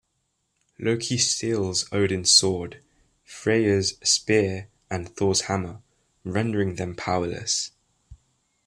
Loki steals Odin's sword, Freyr's spear and Thor's hammer, rendering them powerless.